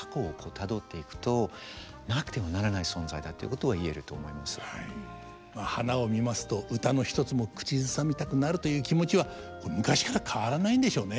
たくさんあるわけですけれどもまあ花を見ますと歌の一つも口ずさみたくなるという気持ちは昔から変わらないんでしょうね。